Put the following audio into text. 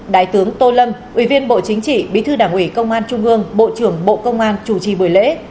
đại tướng tô lâm ủy viên bộ chính trị bí thư đảng ủy công an trung ương bộ trưởng bộ công an chủ trì buổi lễ